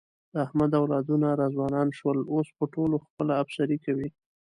د احمد اولادونه را ځوانان شول، اوس په ټولو خپله افسري کوي.